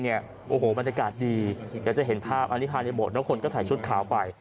มันอากาศดีอยากจะเห็นภาพอันนี้ภายในบทแล้วคนก็ใส่ชุดขาวไป